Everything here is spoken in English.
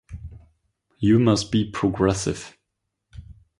You must be progressive.